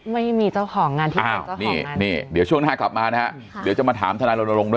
ไม่มีเจ้าของงาน